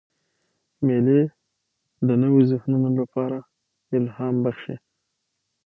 مېلې د نوو ذهنونو له پاره الهام بخښي.